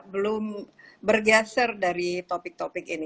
belum bergeser dari topik topik ini